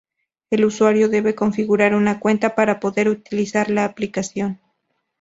El usuario debe configurar una cuenta para poder utilizar la aplicación.